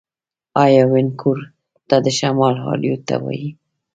آیا وینکوور ته د شمال هالیوډ نه وايي؟